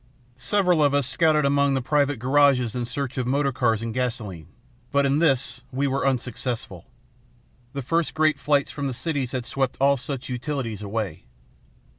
"Several of us scouted among the private garages in search of motor cars and gasoline. But in this we were unsuccessful. The first great flights from the cities had swept all such utilities away.